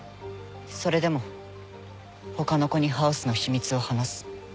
それでも他の子にハウスの秘密を話す。